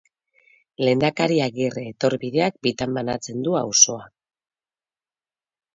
Lehendakari Agirre etorbideak bitan banatzen du auzoa.